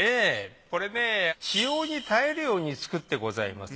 これね使用に耐えるように作ってございます。